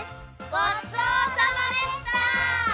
ごちそうさまでした！